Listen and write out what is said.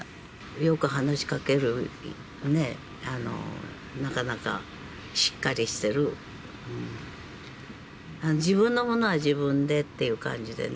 よく話しかけるね、なかなかしっかりしてる、自分のものは自分でっていう感じでね。